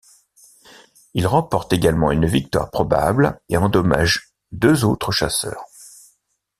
Il remporte également une victoire probable et endommage deux autres chasseurs.